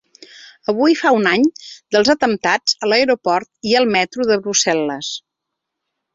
Avui fa un any dels atemptats a l’aeroport i al metro de Brussel·les.